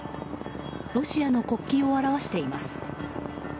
ロシアの国旗を表しています。